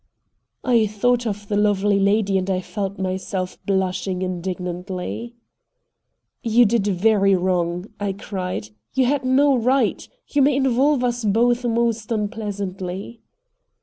I thought of the lovely lady, and I felt myself blushing indignantly. "You did very wrong," I cried; "you had no right! You may involve us both most unpleasantly."